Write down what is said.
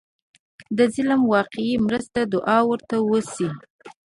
د ظالم واقعي مرسته دعا ورته وشي.